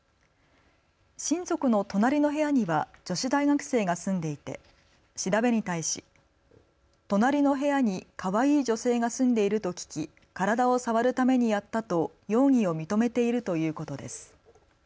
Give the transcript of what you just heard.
親族の隣の部屋には女子大学生が住んでいて調べに対し隣の部屋にかわいい女性が住んでいると聞き体を触るためにやったと容疑を認めているということです。